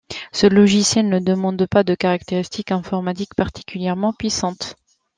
Ce logiciel ne demande pas de caractéristiques informatiques particulièrement puissantes.